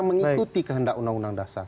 mengikuti kehendak undang undang dasar